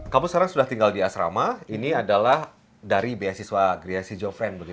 kamu sekarang sudah tinggal di asrama ini adalah dari beasiswa gria siso fren